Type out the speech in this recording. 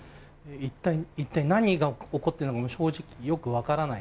一体何が起こってるのかも正直、よく分からない。